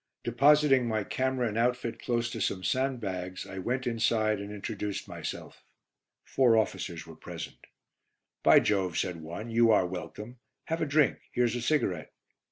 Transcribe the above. Depositing my camera and outfit close to some sandbags I went inside and introduced myself. Four officers were present. "By Jove!" said one, "you are welcome. Have a drink. Here's a cigarette."